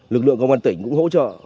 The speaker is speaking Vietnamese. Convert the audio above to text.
lực lượng công an tỉnh cũng hỗ trợ